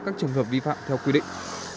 các trường hợp vi phạm theo quy định